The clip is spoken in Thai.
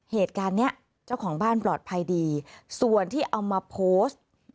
เหตุการณ์เนี้ยเจ้าของบ้านปลอดภัยดีส่วนที่เอามาโพสต์